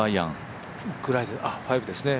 ５ですね。